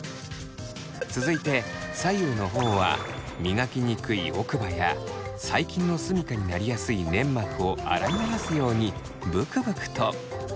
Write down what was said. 続いて左右のほおは磨きにくい奥歯や細菌のすみかになりやすい粘膜を洗い流すようにブクブクと。